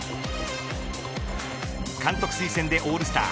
監督推薦でオールスター